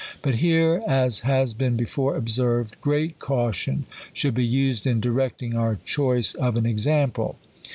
But here, as has been before observed, great caution should be used in directing our choice of an example.